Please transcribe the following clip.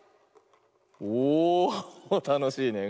おたのしいねうん。